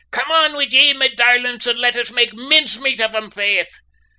"Come on wid ye, me darlints, an' let us make mincemate of 'em, faith!"